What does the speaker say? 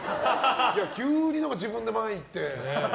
急に自分で前に行って。